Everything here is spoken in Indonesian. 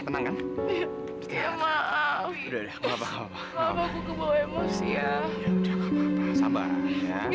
tenang tenang tenang